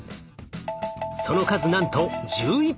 その数なんと１１匹！